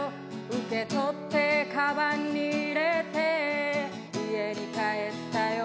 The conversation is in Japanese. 「受け取ってかばんに入れて家に帰ったよ」